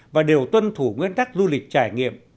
và đều tuân thủ nguyên tắc du lịch trải nghiệm